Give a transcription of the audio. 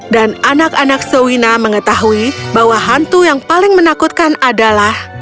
dan anak anak showina mengetahui bahwa hantu yang paling menakutkan adalah